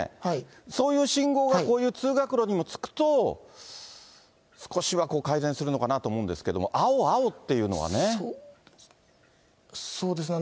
そういう信号がこういう通学路にもつくと、少しは改善するのかなと思いますけれども、青、青というのはね。